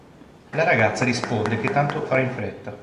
La ragazza risponde che tanto farà in fretta.